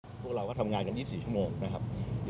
พวกเราก็ทำงานกัน๒๔ชั่วโมงนะครับ